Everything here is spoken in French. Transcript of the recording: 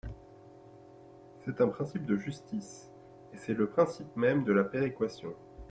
C’est un principe de justice, et c’est le principe même de la péréquation.